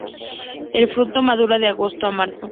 El fruto madura de agosto a marzo.